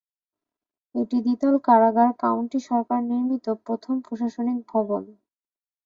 একটি দ্বিতল কারাগার কাউন্টি সরকার নির্মিত প্রথম প্রশাসনিক ভবন।